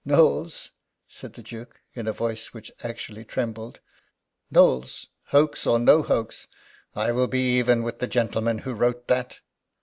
"Knowles," said the Duke, in a voice which actually trembled, "Knowles, hoax or no hoax, I will be even with the gentleman who wrote that."